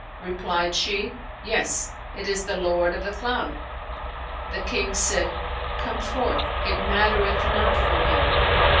Replied she, 'Yes, it is the Lord of the Cloud.' The King said, 'Come forth: it mattereth not for him.'